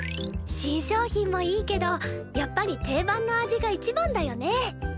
新商品もいいけどやっぱり定番の味が一番だよね。